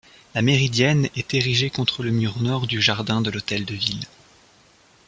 La méridienne est érigée contre le mur nord du jardin de l'hôtel de ville.